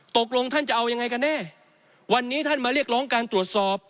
ตกลงท่านจะเอายังไงกันแน่วันนี้ท่านมาเรียกร้องการตรวจสอบ